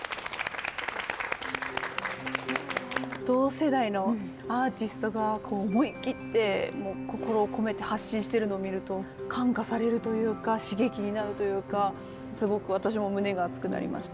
同世代のアーティストが思い切って心を込めて発信してるのを見ると感化されるというか刺激になるというかすごく私も胸が熱くなりました。